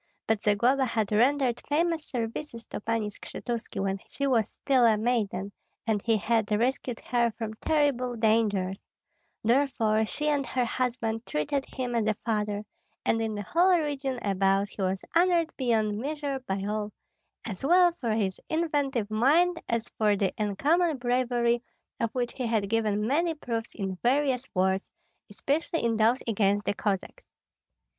But Zagloba had rendered famous services to Pani Skshetuski when she was still a maiden, and he had rescued her from terrible dangers; therefore she and her husband treated him as a father, and in the whole region about he was honored beyond measure by all, as well for his inventive mind as for the uncommon bravery of which he had given many proofs in various wars, especially in those against the Cossacks.